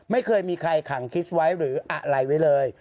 ไม่เคยมีใครขังคิสไว้หรืออะไรไว้เลย